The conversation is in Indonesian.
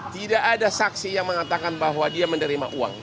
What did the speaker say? tidak ada saksi yang mengatakan bahwa dia menerima uang